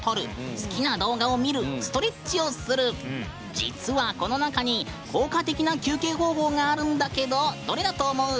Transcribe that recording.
実は、この中に効果的な休憩方法があるんだけどどれだと思う？